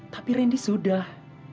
tapi rendy sudah